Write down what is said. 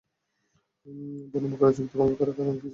বনু বকরের চুক্তিভঙ্গ করার কারণ কারো জানা ছিল না।